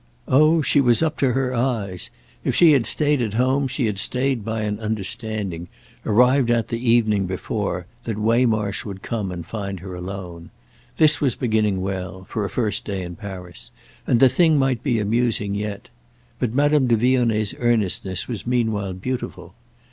Oh she was up to her eyes; if she had stayed at home she had stayed by an understanding, arrived at the evening before, that Waymarsh would come and find her alone. This was beginning well—for a first day in Paris; and the thing might be amusing yet. But Madame de Vionnet's earnestness was meanwhile beautiful.